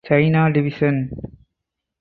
China division.